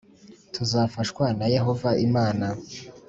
tuzafashwa na Yehova Imana